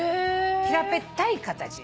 平べったい形。